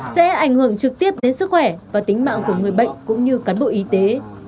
sẽ ảnh hưởng trực tiếp đến sức khỏe và tính mạng của người bệnh cũng như cán bộ y tế